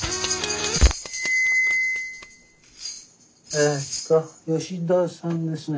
ええと吉田さんですね。